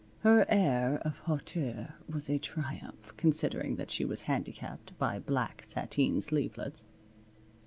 Her air of hauteur was a triumph, considering that she was handicapped by black sateen sleevelets.